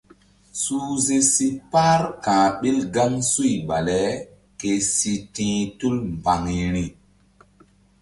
Suhze si par ka̧h ɓil gaŋsuy bale ke si ti̧h tul mbaŋiri.